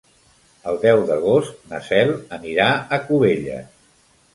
El deu d'agost na Cel anirà a Cubelles.